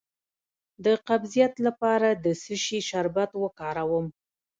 د قبضیت لپاره د څه شي شربت وکاروم؟